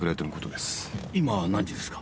今何時ですか？